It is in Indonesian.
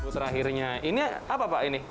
terakhirnya ini apa pak